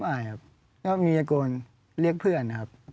อายครับก็มีตะโกนเรียกเพื่อนครับ